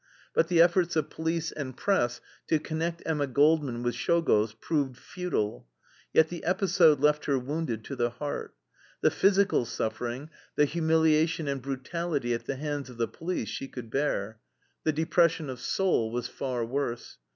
But the efforts of police and press to connect Emma Goldman with Czolgosz proved futile. Yet the episode left her wounded to the heart. The physical suffering, the humiliation and brutality at the hands of the police she could bear. The depression of soul was far worse.